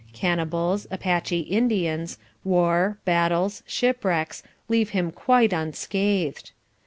Cannibals, Apache Indians, war, battles, shipwrecks, leave him quite unscathed.